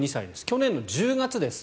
去年の１０月です。